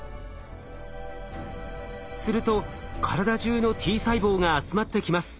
すると体じゅうのＴ細胞が集まってきます。